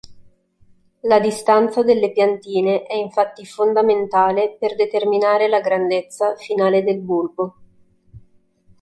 La distanza delle piantine è infatti fondamentale per determinare la grandezza finale del bulbo.